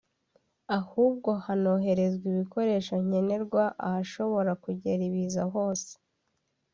ahubwo hanoherezwa ibikoresho nkenerwa ahashobora kugera ibiza hose